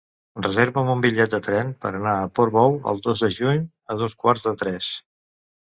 Reserva'm un bitllet de tren per anar a Portbou el dos de juny a dos quarts de tres.